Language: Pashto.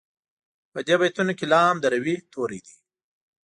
په دې بیتونو کې لام د روي توری دی.